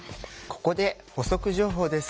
ここで補足情報です。